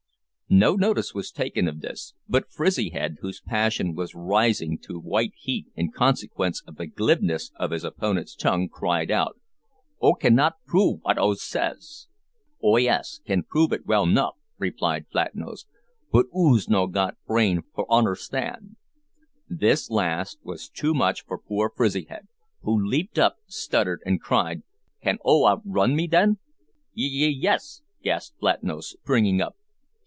No notice was taken of this, but Frizzyhead, whose passion was rising to white heat in consequence of the glibness of his opponent's tongue, cried out "'Oo cannot prove wat 'ou says?" "Oh yes, can prove it well 'nuff," replied Flatnose, "but 'oos no' got brain for onerstand." This last was too much for poor Frizzyhead, who leaped up, stuttered, and cried "Can 'oo outrun me, then?" "Ye ye yes!" gasped Flatnose, springing up.